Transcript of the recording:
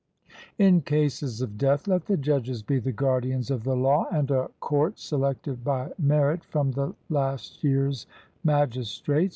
In cases of death, let the judges be the guardians of the law, and a court selected by merit from the last year's magistrates.